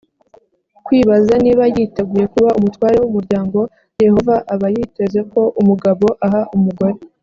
kwibaza niba yiteguye kuba umutware w umuryango yehova aba yiteze ko umugabo aha umugore